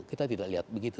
kita tidak lihat begitu